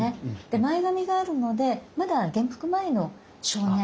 で前髪があるのでまだ元服前の少年。